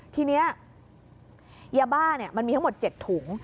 ทีนี้ยาบ้ามันมีทั้งหมด๗ถุง